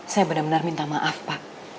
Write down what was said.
saya bener bener minta maaf pak